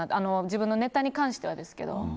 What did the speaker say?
自分のネタに関してはですけど。